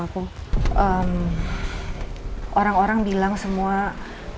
karena teror itu elsa sampai stress dan histeris